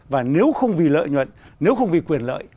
và nếu không vì lợi nhuận nếu không vì quyền lợi